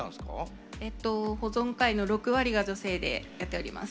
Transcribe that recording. えっと保存会の６割が女性でやっております。